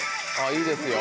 いいですよ。